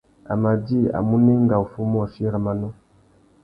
A mà djï a munú enga uffê umôchï râ manô.